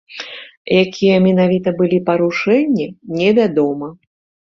Якія менавіта былі парушэнні, невядома.